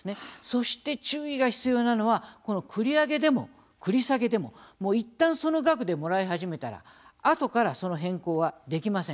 そして、注意が必要なのは繰り上げでも繰り下げでもいったんその額でもらい始めたらあとから、その変更はできません。